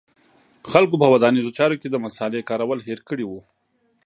خلکو په ودانیزو چارو کې د مصالې کارول هېر کړي و